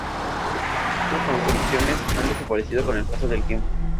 Otras construcciones han desaparecido con el paso del tiempo.